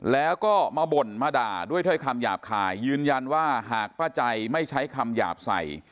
แล้วก็มาบ่นมาด่าด้วยถ้อยคำหยาบคายยืนยันว่าหากป้าใจไม่ใช้คำหยาบใส่